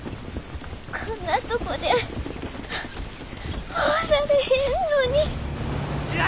こんなとこで終わられへんのに。